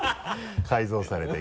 改造されて。